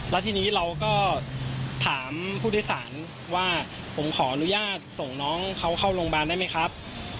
แล้วทีนี้เราก็ถามผู้โดยสารว่าผมขออนุญาตส่งน้องเขาเข้าโรงพยาบาลได้ไหมครับ